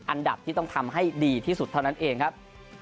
อันดับที่ต้องทำให้ดีที่สุดเท่านั้นเองครับ